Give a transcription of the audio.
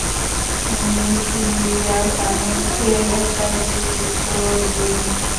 Neisseria সাহেব এর একটা বিহিত করবেনই।